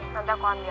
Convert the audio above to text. nanti aku ambil